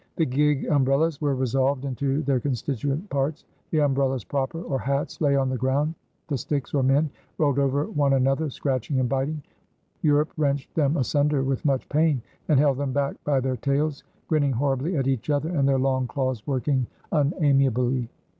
The gig umbrellas were resolved into their constituent parts; the umbrellas proper, or hats, lay on the ground the sticks or men rolled over one another scratching and biting. Europe wrenched them asunder with much pain, and held them back by their tails, grinning horribly at each other, and their long claws working unamiably.